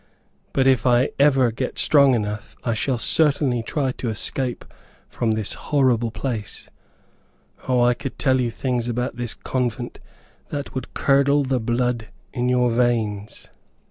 But if I ever get strong enough, I shall certainly try to escape from this horrible place. O, I could tell you things about this convent that would curdle the blood in your veins."